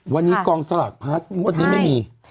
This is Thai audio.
วันนี้กองสลากพลัสงวดนี้ไม่มี